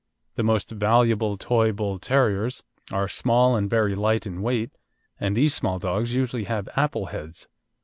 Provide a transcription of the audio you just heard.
The most valuable Toy Bull terriers are small and very light in weight, and these small dogs usually have "apple heads."